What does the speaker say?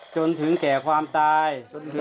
จนถึงแก่ความตาย